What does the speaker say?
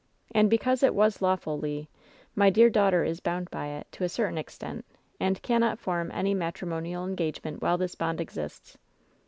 And because it was lawful, Le, my dear daughter is bound by it, to a certain extent, and cannot form any matrimonial en gagement while this bond exists."